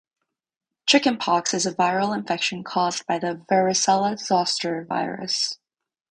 Chicken pox is a viral infection caused by the varicella-zoster virus.